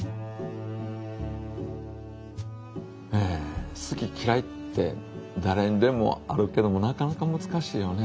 え好ききらいってだれにでもあるけどもなかなかむずかしいよね